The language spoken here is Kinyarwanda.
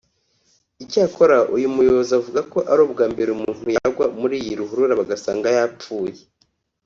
Icyakora ariko uyu muyobozi avuga ko ari ubwa mbere umuntu yagwa muri iyi ruhurura bagasanga yapfuye